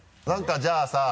何かじゃあさ